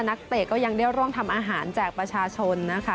นักเป๊กก็ยังเลี่ยวร่วงทำอาหารแจกประชาชนนะคะ